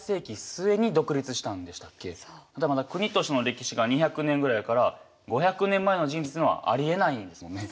じゃあまだ国としての歴史が２００年ぐらいだから５００年前のジーンズっていうのはありえないですもんね。